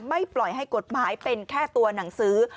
ไม่ปล่อยให้กฎหมายเป็นแค่ตัวหนังสือ